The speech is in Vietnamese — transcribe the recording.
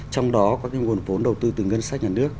trong đó có cái nguồn vốn đầu tư từ ngân sách nhà nước